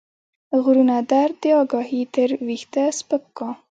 غرونه درد داګاهي تر ويښته سپک کا